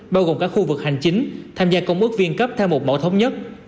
bao gồm cả khu vực hành chính tham gia công ước viên cấp theo một mẫu thống nhất